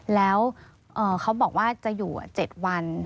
แล้วเขาบอกว่าจะอยู่๗วัน